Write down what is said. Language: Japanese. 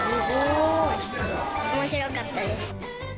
おもしろかったです。